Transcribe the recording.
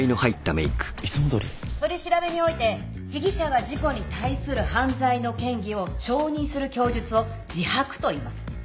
取り調べにおいて被疑者が自己に対する犯罪の嫌疑を承認する供述を自白といいます。